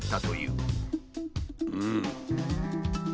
うん！